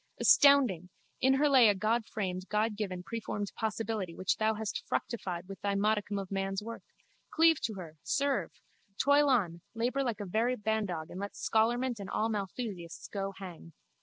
Astounding! In her lay a Godframed Godgiven preformed possibility which thou hast fructified with thy modicum of man's work. Cleave to her! Serve! Toil on, labour like a very bandog and let scholarment and all Malthusiasts go hang.